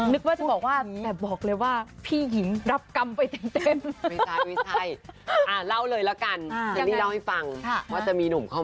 นึกว่าจะบอกว่าแต่บอกเลยว่าพี่หญิงรับกรรมไปเต็ม